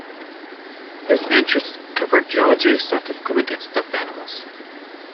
His interests covered geology, scientific equipment and stuffed animals.